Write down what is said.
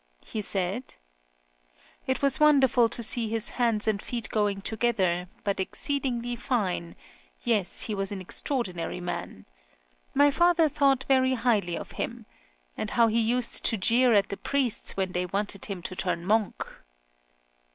He said: 'It was wonderful, to see his hands and feet going together, but exceedingly fine yes, he was an extraordinary man. My father thought very highly of him. And how he used to jeer at the priests, when they wanted him to turn monk.'"